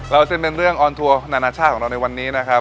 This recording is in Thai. เส้นเป็นเรื่องออนทัวร์นานาชาติของเราในวันนี้นะครับ